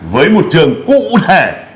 với một trường cụ thể